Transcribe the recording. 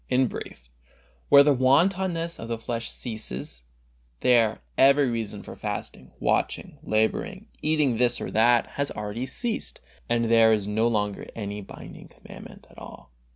In brief, where the wantonness of the flesh ceases, there every reason for fasting, watching, laboring, eating this or that, has already ceased, and there no longer is any binding commandment at all.